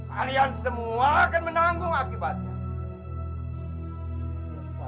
kalian semua akan menanggung akibatnya